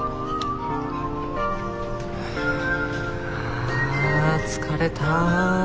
あ疲れた。